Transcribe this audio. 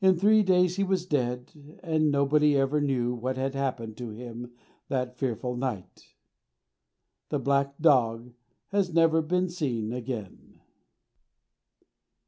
In three days he was dead and nobody ever knew what had happened to him that fearful night. The Black Dog has never been seen again.